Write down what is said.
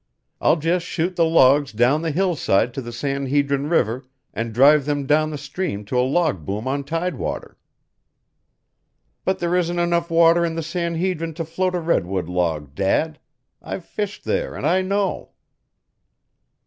I'll just shoot the logs down the hillside to the San Hedrin River and drive them down the stream to a log boom on tidewater." "But there isn't enough water in the San Hedrin to float a redwood log, Dad. I've fished there, and I know."